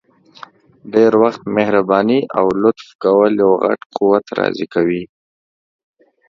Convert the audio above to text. ډير وخت مهرباني او لطف کول یو غټ قوت راضي کوي!